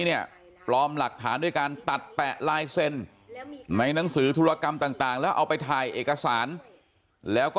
แต่ที่เขาฟ้องทั้งหมดบอกได้เลยไม่มีเอกสารตัวจริงเลยกับผู้หญิงคนนี้ตัวถ่ายทั้งนั้น